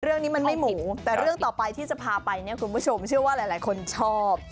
เรื่องนี้มันไม่หมูแต่เรื่องต่อไปที่จะพาไปเนี่ยคุณผู้ชมเชื่อว่าหลายคนชอบ